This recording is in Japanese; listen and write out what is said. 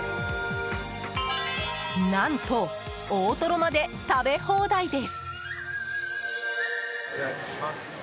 何と、大トロまで食べ放題です。